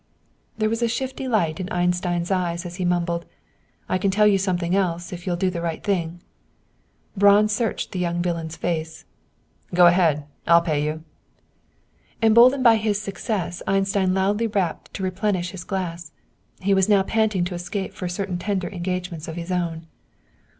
There was a shifty light in Einstein's eyes as he mumbled, "I can tell you something else, if you'll do the right thing." Braun searched the young villain's face. "Go ahead! I'll pay you." Emboldened by his success, Einstein loudly rapped to replenish his glass. He was now panting to escape for certain tender engagements of his own.